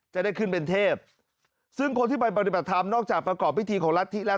จะได้ขึ้นเป็นเทพซึ่งคนที่ไปปฏิบัติธรรมนอกจากประกอบพิธีของรัฐธิแล้ว